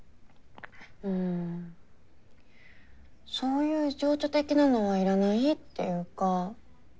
んんそういう情緒的なのはいらないっていうか。